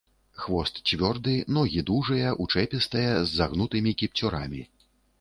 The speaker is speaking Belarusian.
Хвост цвёрды, ногі дужыя, учэпістыя, з загнутымі кіпцюрамі.